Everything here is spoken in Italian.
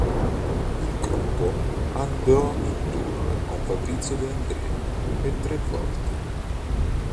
Il gruppo andò in tour con Fabrizio De André per tre volte.